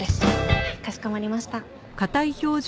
かしこまりました。